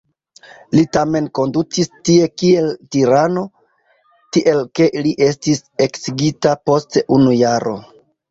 Li tamen kondutis tie kiel tirano, tiel ke li estis eksigita post unu jaro.